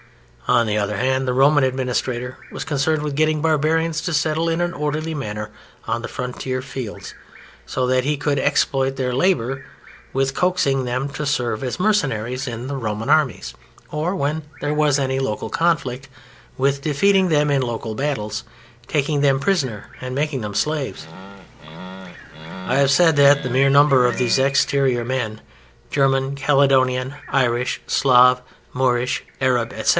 On the other hand the Roman administrator was concerned with getting barbarians to settle in an orderly manner on the frontier fields, so that he could exploit their labor, with coaxing them to serve as mercenaries in the Roman armies, or (when there was any local conflict) with defeating them in local battles, taking them prisoners and making them slaves. I have said that the mere number of these exterior men (German, Caledonian, Irish, Slav, Moorish, Arab, etc.)